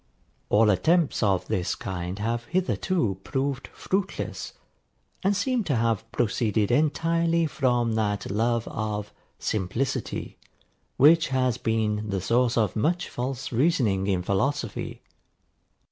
All attempts of this kind have hitherto proved fruitless, and seem to have proceeded entirely from that love of SIMPLICITY which has been the source of much false reasoning in philosophy.